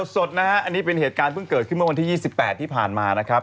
สดนะฮะอันนี้เป็นเหตุการณ์เพิ่งเกิดขึ้นเมื่อวันที่๒๘ที่ผ่านมานะครับ